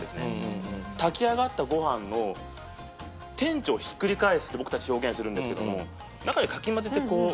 炊き上がったご飯の「天地をひっくり返す」って僕たち表現するんですけども中でかき混ぜてこう。